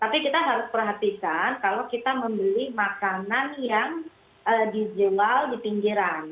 tapi kita harus perhatikan kalau kita membeli makanan yang dijual di pinggiran